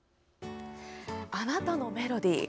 「あなたのメロディー」